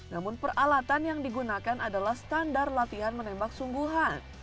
namun peralatan yang digunakan adalah standar latihan menembak sungguhan